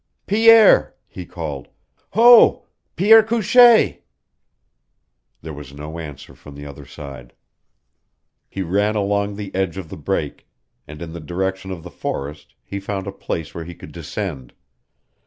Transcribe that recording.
"Pierre!" he called. "Ho! Pierre Couchee!" There was no answer from the other side. He ran along the edge of the break, and in the direction of the forest he found a place where he could descend.